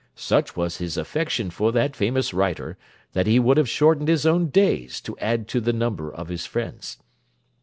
Such was his affection for that famous writer, that he would have shortened his own days to add to the number of his friend's.